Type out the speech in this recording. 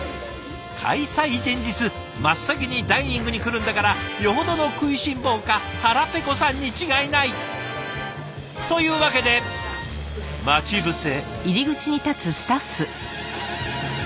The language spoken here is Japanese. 開催前日真っ先にダイニングに来るんだからよほどの食いしん坊か腹ペコさんに違いない！というわけで待ち伏せ。